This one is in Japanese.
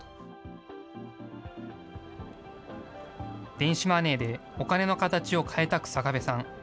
電子マネーでお金の形を変えた日下部さん。